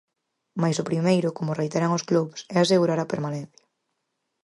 Mais o primeiro, como reiteran os clubs, é asegurar a permanencia.